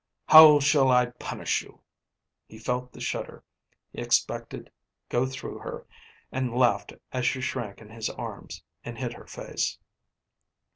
"How shall I punish you?" He felt the shudder he expected go through her and laughed as she shrank in his arms and hid her face.